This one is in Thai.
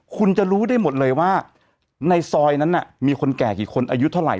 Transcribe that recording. คุณจะรู้ได้หมดเลยว่าในซอยนั้นมีคนแก่กี่คนอายุเท่าไห